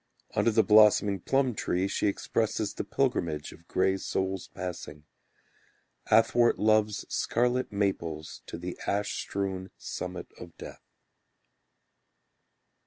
Under the blossoming plum tree, She expresses the pilgrimage Of grey souls passing, Athwart love's scarlet maples To the ash strewn summit of death.